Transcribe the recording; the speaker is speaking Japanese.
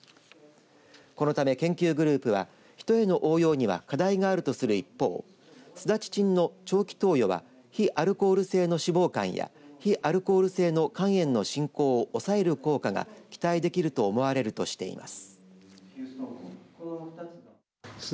このため研究グループは人への応用には課題があるとする一方スダチチンの長期投与は非アルコール性の脂肪肝や非アルコール性の肝炎の進行を抑える効果が期待できると思われるとしています。